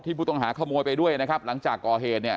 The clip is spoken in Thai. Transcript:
ผู้ต้องหาขโมยไปด้วยนะครับหลังจากก่อเหตุเนี่ย